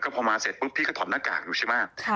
พอมาเสร็จปุ๊บพี่ก็ถอดหน้ากากอยู่ใช่ไหม